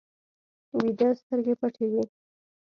ویده سترګې پټې وي